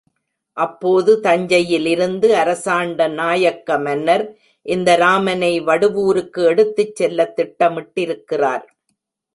அப்போது தஞ்சையிலிருந்து அரசாண்ட நாயக்க மன்னர் இந்த ராமனை வடுவூருக்கு எடுத்துச் செல்லத் திட்டமிட்டிருக்கிறார்.